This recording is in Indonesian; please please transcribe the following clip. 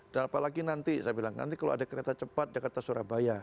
dan apalagi nanti saya bilang nanti kalau ada kereta cepat jakarta surabaya